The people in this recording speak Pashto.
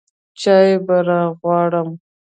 چاى به راغواړم.